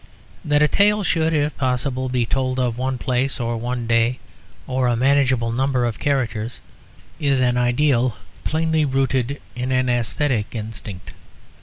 That a tale should, if possible, be told of one place or one day or a manageable number of characters is an ideal plainly rooted in an æsthetic instinct.